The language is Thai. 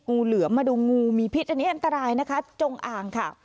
งูเหลือมมาดูงูมีพิษอันนี้อันตรายนะคะจงอ่างค่ะ